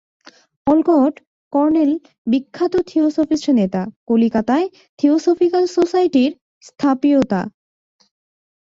অলকট, colonel বিখ্যাত theosophist নেতা, কলিকাতায় থিওসফিক্যাল সোসাইটির স্থাপয়িতা।